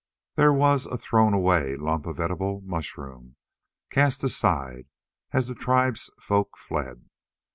There was a thrown away lump of edible mushroom, cast aside as the tribesfolk fled.